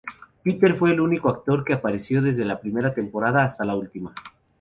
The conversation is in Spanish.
Peter fue el único actor que apareció desde la primera temporada hasta la última.